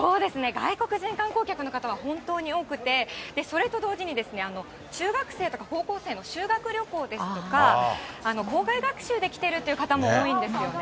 外国人観光客の方は本当に多くて、それと同時に、中学生とか高校生の修学旅行ですとか、校外学習で来てるって方も多いんですよね。